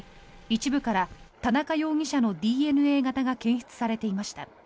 一部から田中容疑者のＤＮＡ型が検出されていました。